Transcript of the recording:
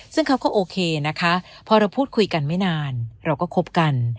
ซึ่งเขาก็โอเคนะคะพอเราพูดคุยกันไม่นานเราก็คบกัน